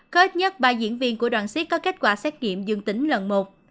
có ít nhất ba diễn viên của đoàn siết có kết quả xét nghiệm dương tính lần một